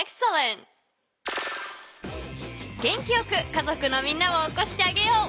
元気よく家族のみんなを起こしてあげよう。